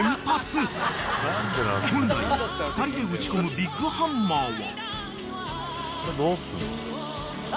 ［本来２人で打ち込むビッグハンマーは］